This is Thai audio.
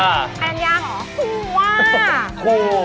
แปดยังหรือ